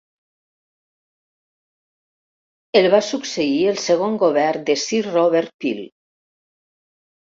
El va succeir el segon govern de Sir Robert Peel.